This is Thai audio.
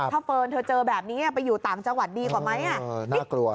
ถ้าเฟิร์นเธอเจอแบบนี้ไปอยู่ต่างจังหวัดดีกว่าไหม